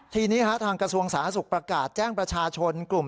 ทีนี้ทางกระทรวงสาธารณสุขประกาศแจ้งประชาชนกลุ่ม